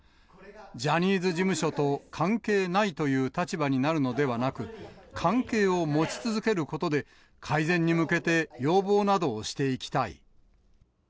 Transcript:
ジャニーズ事務所と関係ないという立場になるのではなく、関係を持ち続けることで、改善に向けて要望などをしていきたい。